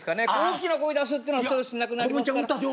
大きな声出すっていうのはストレスなくなりますから。